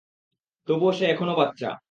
তবুও, সে এখনও বাচ্চা!